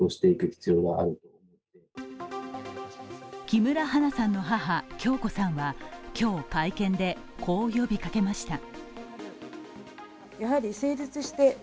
木村花さんの母・響子さんは今日会見でこう呼びかけました。